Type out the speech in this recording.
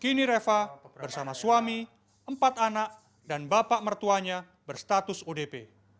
kini reva bersama suami empat anak dan bapak mertuanya berstatus odp